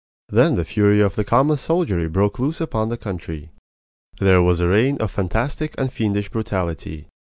Then the fury of the common soldiery broke loose upon the country. There was a reign of fantastic and fiendish brutality.